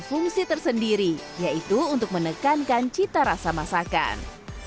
fungsi tersendiri yaitu untuk menekankan cita rasa masakan